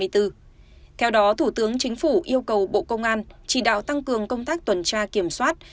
theo đó thủ tướng chính phủ yêu cầu bộ công an chỉ đạo tăng cường công tác tuần tra kiểm soát